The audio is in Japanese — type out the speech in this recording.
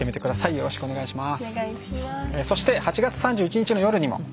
よろしくお願いします。